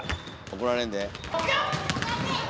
怒られんで。